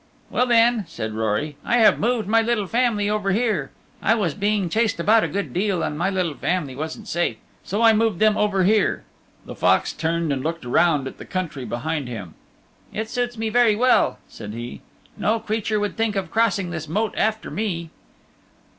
"Well then," said Rory, "I have moved my little family over here. I was being chased about a good deal, and my little family wasn't safe. So I moved them over here." The fox turned and looked round at the country behind him. "It suits me very well," said he; "no creature would think of crossing this moat after me."